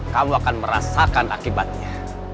kamu akan merasakan akibatnya